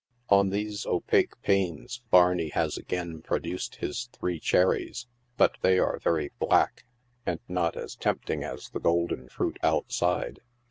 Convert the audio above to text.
On these opaque panes, Barney has again produced his three cherries, but they are very black, and not as tempting as the golden fruit outside.